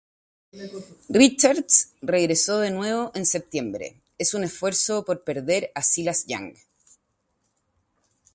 Richards regresó de nuevo en septiembre, en un esfuerzo por perder a Silas Young.